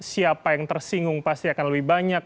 siapa yang tersinggung pasti akan lebih banyak